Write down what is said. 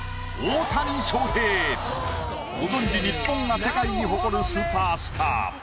ご存じ日本が世界に誇るスーパースター。